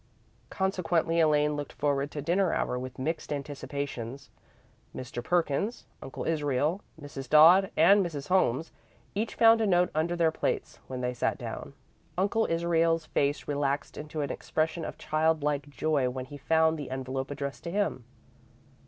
Consequently, Elaine looked forward to the dinner hour with mixed anticipations. Mr. Perkins, Uncle Israel, Mrs. Dodd, and Mrs. Holmes each found a note under their plates when they sat down. Uncle Israel's face relaxed into an expression of childlike joy when he found the envelope addressed to him.